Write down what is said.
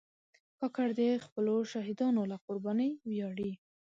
کاکړ د خپلو شهیدانو له قربانۍ ویاړي.